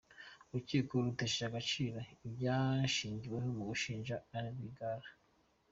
Urukiko rutesheje agaciro ibyashingiweho mu gushinja Anne Rwigara.